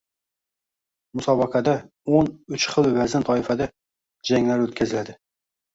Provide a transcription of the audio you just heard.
Musobaqadao´n uchxil vazn toifasida janglar o‘tkaziladi